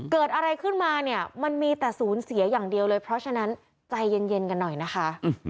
เกิดอะไรขึ้นมาเนี่ยมันมีแต่ศูนย์เสียอย่างเดียวเลยเพราะฉะนั้นใจเย็นกันหน่อยนะคะ